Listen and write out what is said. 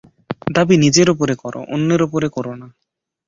দাবি নিজের উপরে করো, অন্যের উপরে কোরো না।